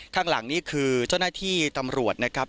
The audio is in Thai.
ข้างหลังนี่คือเจ้าหน้าที่ตำรวจนะครับ